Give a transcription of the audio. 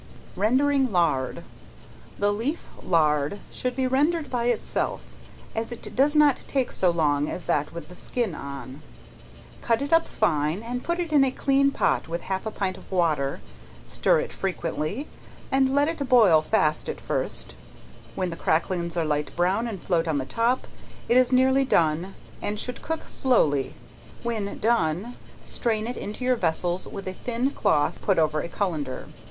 Rendering Lard. The leaf lard should be rendered by itself, as it does not take so long as that with the skin on. Cut it up fine and put it in a clean pot with half a pint of water, stir it frequently and let it boil fast at first, when the cracklings are light brown and float on the top, it is nearly done, and should cook slowly, when done, strain it into your vessels with a thin cloth put over a colander.